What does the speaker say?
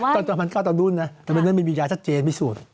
ตอน๒๐๐๙ตอนนู้นแต่เมื่อนั้นมียาชัดเจนไม่สูญ